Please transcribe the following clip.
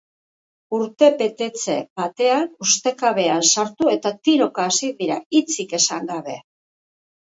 Urtebetze batean ustekabean sartu eta tiroka hasi dira hitzik esan gabe.